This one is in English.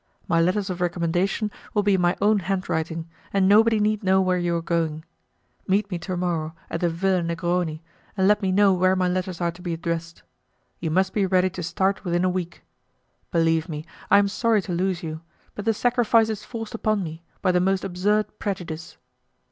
My letters of recommendation will be in my own handwriting, and nobody need know where you are going. Meet me to morrow at the Villa Negroni, and let me know where my letters are to be addressed. You must be ready to start within a week. Believe me, I am sorry to lose you; but the sacrifice is forced upon me by the most absurd prejudice.